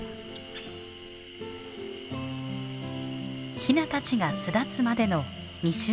ヒナたちが巣立つまでの２週間余り。